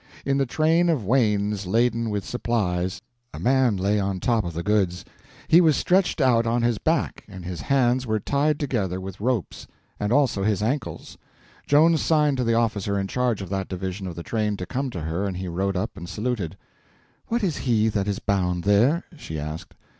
In the train of wains laden with supplies a man lay on top of the goods. He was stretched out on his back, and his hands were tied together with ropes, and also his ankles. Joan signed to the officer in charge of that division of the train to come to her, and he rode up and saluted. "What is he that is bound there?" she asked.